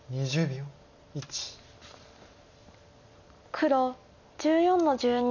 黒１４の十二。